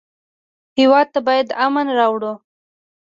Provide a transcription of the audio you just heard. هېواد ته باید امن راوړو